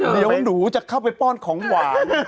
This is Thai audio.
เดี๋ยวหนูจะเข้าไปป้อนของหวาน